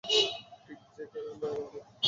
ঠিক যেখানে আমরা এখন থাকি।